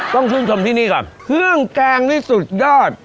ต้องชื่นชมที่นี่ก่อนเครื่องแกงนี่สุดยอด